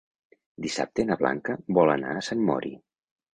Dissabte na Blanca vol anar a Sant Mori.